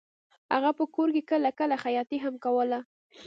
هغه په کور کې کله کله خیاطي هم کوله